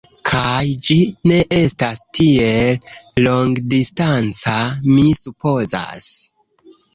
Kaj, ĝi ne estas tiel longdistanca, mi supozas.